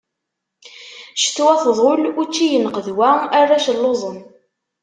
Ccetwa tḍul, učči yenqedwa, arrac lluẓen.